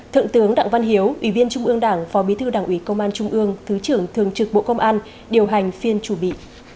thượng tướng đặng văn hiếu ủy viên trung ương đảng phó bí thư đảng ủy công an trung ương thứ trưởng thường trực bộ công an điều hành phiên chủ bị